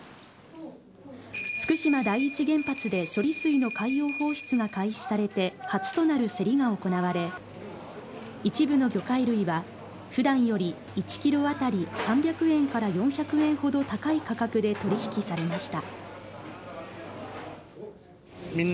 福島第一原発で処理水の海洋放出が開始されて初となる競りが行われ一部の魚介類は普段より１ｋｇ当たり３００円から４００円ほど高い価格で取引されました。